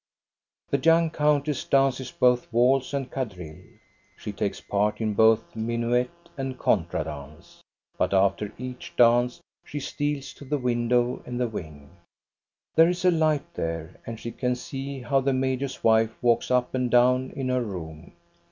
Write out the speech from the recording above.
The young countess dances both waltz and quadrille. She takes part in both minuet and contra dance ; but after each dance she steals to the window in the N THE YOUNG COUNTESS IJJ wing. There is a light there and she can see how the major's wife walks up and down in her room.